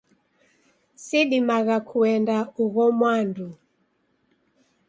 Sidimagha kuenda ugho mwandu.